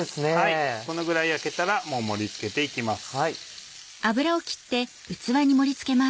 このぐらい焼けたらもう盛り付けて行きます。